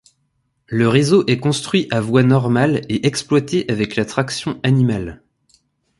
Le réseau est construit à voie normale et exploité avec la traction animale.